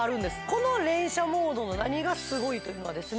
この連射モードの何がスゴいというのはですね